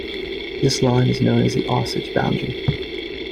This line is known as the Osage Boundary.